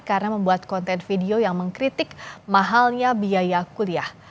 karena membuat konten video yang mengkritik mahalnya biaya kuliah